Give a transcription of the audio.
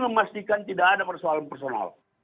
memastikan tidak ada persoalan personal